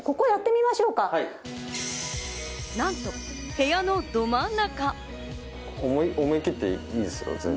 なんと部屋のど真ん中！